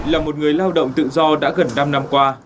là một người lao động tự do đã gần năm năm qua